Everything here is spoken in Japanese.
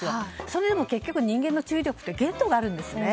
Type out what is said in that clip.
それでも結局、人間の注意力って限度があるんですね。